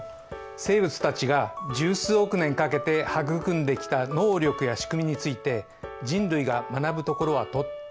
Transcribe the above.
生物たちが十数億年かけて育んできた能力や仕組みについて人類が学ぶところはとっても大きいんだ。